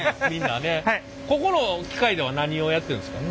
ここの機械では何をやってるんですか？